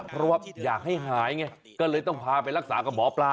เพราะว่าอยากให้หายไงก็เลยต้องพาไปรักษากับหมอปลา